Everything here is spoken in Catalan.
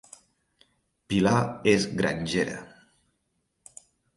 Pilar és grangera